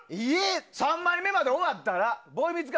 ３枚目まで終わったら。